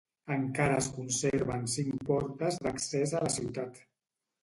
Encara es conserven cinc portes d'accés a la ciutat.